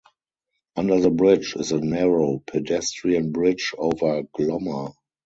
Under the bridge is a narrow pedestrian bridge over Glomma.